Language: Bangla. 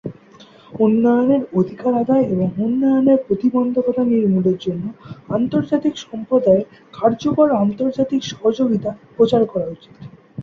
উন্নয়নের অধিকার আদায় এবং উন্নয়নের প্রতিবন্ধকতা নির্মূলের জন্য আন্তর্জাতিক সম্প্রদায়ের কার্যকর আন্তর্জাতিক সহযোগিতার প্রচার করা উচিত।